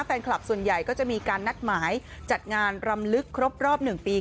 แฟนคลับส่วนใหญ่ก็จะมีการนัดหมายจัดงานรำลึกครบรอบ๑ปี